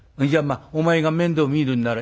あお前が面倒見るんなら。